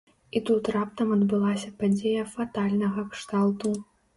І тут раптам адбылася падзея фатальнага кшталту.